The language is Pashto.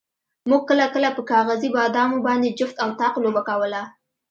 موږ کله کله په کاغذي بادامو باندې جفت او طاق لوبه کوله.